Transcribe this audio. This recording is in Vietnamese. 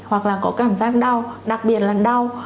hoặc là có cảm giác đau đặc biệt là đau